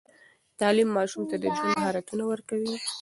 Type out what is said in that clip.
تعليم ماشوم ته د ژوند مهارتونه ورکوي.